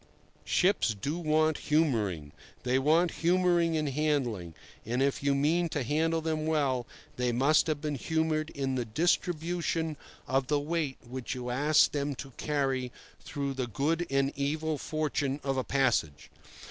Ships do want humouring. They want humouring in handling; and if you mean to handle them well, they must have been humoured in the distribution of the weight which you ask them to carry through the good and evil fortune of a passage.